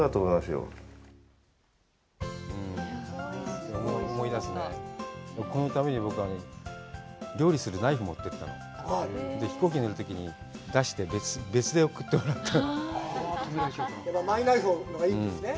ようん思い出すねこのために僕は料理するナイフ持ってったの飛行機乗る時に出して別で送ってもらったマイナイフがいいんですね